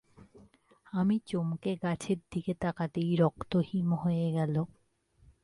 আমি চমকে গাছের দিকে তাকাতেই রক্ত হিম হয়ে গেল।